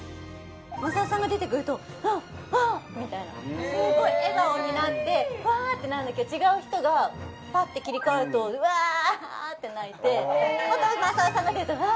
優さんが出てくると「あっ！あっ！」みたいなすごい笑顔になってわ！ってなるんだけど違う人がパッて切り替わるとうわって泣いてまた優さんが出るとわ！